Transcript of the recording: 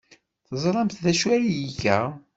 Teẓramt d acu ay iga?